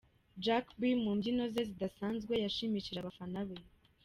Jack B mu mbyino ze zidasanzwe yashimishije abafana be.